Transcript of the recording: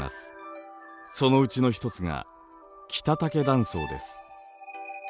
そのうちのひとつが北武断層です。